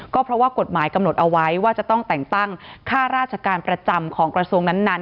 ก็เพราะว่ากฎหมายกำหนดเอาไว้ว่าจะต้องแต่งตั้งค่าราชการประจำของกระทรวงนั้น